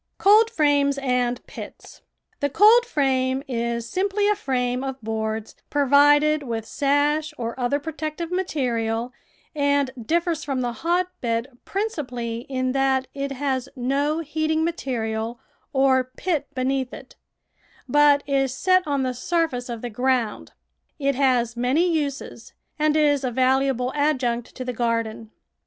COLDFRAMES AND PITS The coldframe is simply a frame of boards pro vided with sash or other protective material, and differs from the hotbed principally in that it has no heating material or pit beneath it, but is set on the surface of the ground. It has many uses and is a valuable adjunct to the garden.